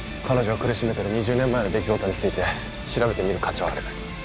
彼女を苦しめてる２０年前の出来事について調べてみる価値はある。